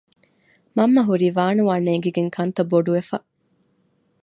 މަންމަ ހުރީ ވާނުވާ ނޭގިގެން ކަންތައް ބޮޑުވެފަ